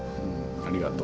ありがとう。